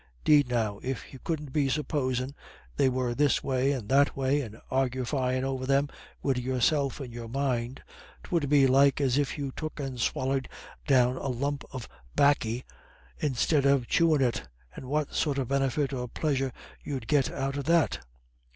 'Deed now if you couldn't be supposin' they were this way and that way, and argufyin' over them wid yourself in your own mind, 'twould be like as if you took and swallied down a lump of 'baccy instead of chewin' it, and what sort of benefit or plisure 'ud you git out of that?"